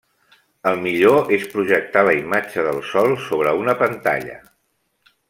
El millor és projectar la imatge del Sol sobre una pantalla.